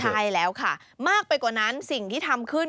ใช่แล้วค่ะมากไปกว่านั้นสิ่งที่ทำขึ้น